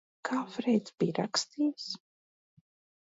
Kā Freids bija rakstījis?